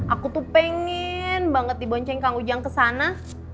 aku tuh pengen banget dibonceng kang ujang kesana